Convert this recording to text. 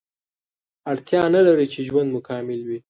اړتیا نلري چې ژوند مو کامل وي